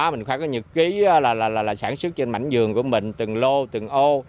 mình phải có nhật ký là sản xuất trên mảnh giường của mình từng lô từng ô